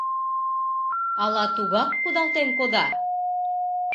Ала тугак кудалтен кода?..